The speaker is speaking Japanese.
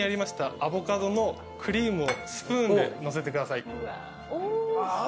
アボカドのクリームをスプーンで載せてくださいああー